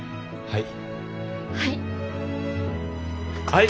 はい。